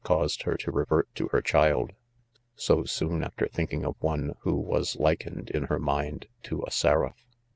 eatts&l; her ; to revert to ' her child, co THE CONFESSIONS. 83 soon after thinking of one who .was likened, in her mind, to a seraph.